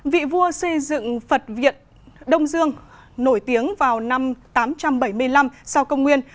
vị vua xây dựng phật viện đông dương nổi tiếng vào năm tám trăm bảy mươi năm sau công nguyên